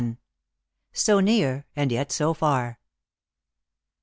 SO NEAR, AND YET SO FAR.